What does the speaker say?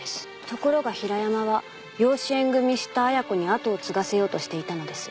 「ところが平山は養子縁組した亜矢子に跡を継がせようとしていたのです」